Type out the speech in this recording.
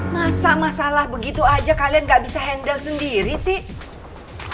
masa masalah begitu aja kalian gak bisa handle sendiri sih